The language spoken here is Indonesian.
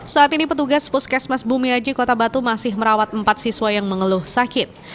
saat ini petugas puskesmas bumiaji kota batu masih merawat empat siswa yang mengeluh sakit